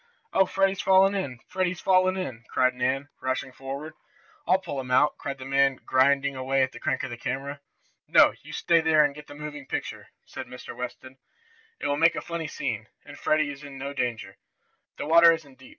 "Oh, Freddie's fallen in! Freddie's fallen in!" cried Nan, rushing forward. "I'll pull him out!" cried the man grinding away at the crank of the camera. "No, you stay there and get the moving picture," said Mr. Watson. "It will make a funny scene, and Freddie is in no danger. The water isn't deep!